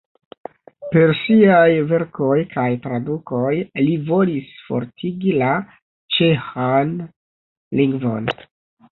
Per siaj verkoj kaj tradukoj li volis fortigi la ĉeĥan lingvon.